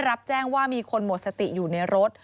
รับแจ้งว่ามีคนหมดสติอยู่ในรถ